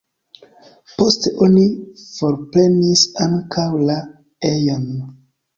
Poste oni forprenis ankaŭ la ejon.